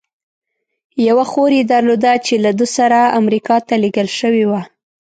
یوه خور یې درلوده، چې له ده سره امریکا ته لېږل شوې وه.